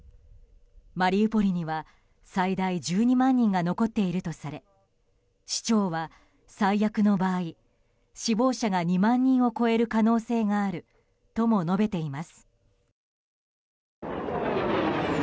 マリウポリには最大１２万人が残っているとされ市長は、最悪の場合死亡者が２万人を超える可能性があるとも述べています。